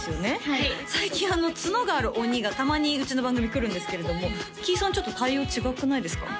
はい最近角がある鬼がたまにうちの番組来るんですけれどもキイさんちょっと対応違くないですか？